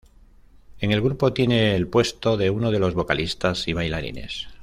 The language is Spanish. En el grupo tiene el puesto de uno de los vocalistas y bailarines.